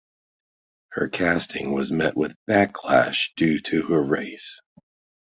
Her casting was met with backlash due to her race.